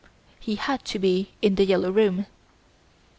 he had to be in "The Yellow Room"."